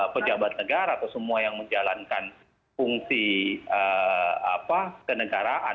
pejabat negara atau semua yang menjalankan fungsi kenegaraan